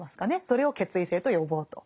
それを決意性と呼ぼうと。